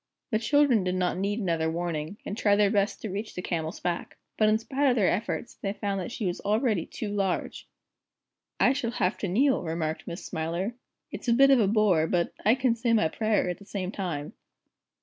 The children did not need another warning, and tried their best to reach the Camel's back. But in spite of their efforts, they found that she was already too large. "I shall have to kneel," remarked Miss Smiler. "It's a bit of a bore, but I can say my prayer at the same time."